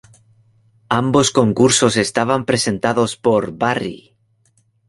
Ambos concursos estaban presentados por Barry.